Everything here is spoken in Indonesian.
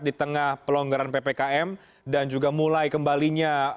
di tengah pelonggaran ppkm dan juga mulai kembalinya